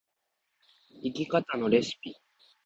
生き方のレシピ